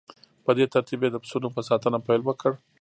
په دې ترتیب یې د پسونو په ساتنه پیل وکړ